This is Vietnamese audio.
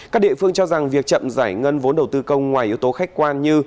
các địa phương cho rằng việc chậm giải ngân vốn đầu tư công ngoài yếu tố khách quan như